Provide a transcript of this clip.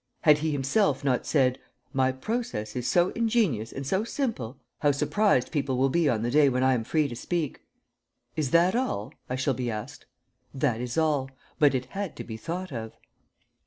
Had he himself not said: "My process is so ingenious and so simple. ... How surprised people will be on the day when I am free to speak! 'Is that all?' I shall be asked. That is all; but it had to be thought of."